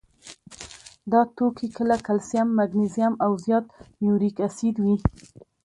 دا توکي کله کلسیم، مګنیزیم او زیات یوریک اسید وي.